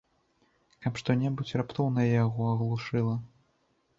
Каб што-небудзь раптоўнае яго аглушыла!